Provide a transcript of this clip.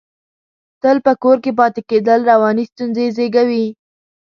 تل په کور کې پاتې کېدل، رواني ستونزې زېږوي.